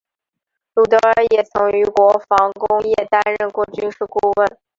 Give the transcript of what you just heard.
鲁德尔也曾于国防工业担任过军事顾问。